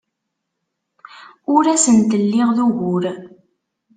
Ur asent-lliɣ d ugur.